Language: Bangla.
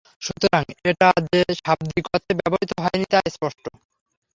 সুতরাং এটা যে শাব্দিক অর্থে ব্যবহৃত হয়নি, তা স্পষ্ট।